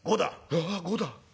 「ああ５だ。